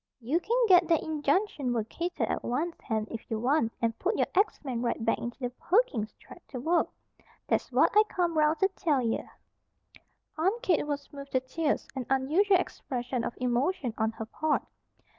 "You can git that injunction vacated at once, Hen, if you want, and put your axe men right back into the Perkins Tract to work. That's what I come 'round to tell ye." Aunt Kate was moved to tears, an unusual expression of emotion on her part.